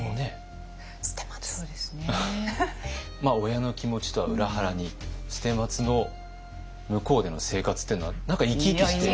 親の気持ちとは裏腹に捨松の向こうでの生活というのは何か生き生きして。